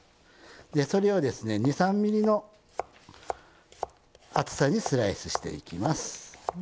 でそれをですね２３ｍｍの厚さにスライスしていきます。